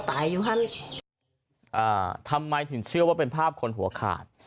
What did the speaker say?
อ่าทำไมถึงเชื่อว่าเป็นภาพคนหัวคาด